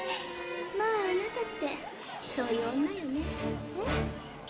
まああなたってそういう女よね。